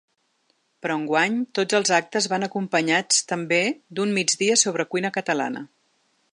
Però enguany tots els actes van acompanyats, també, d’un migdia sobre cuina catalana.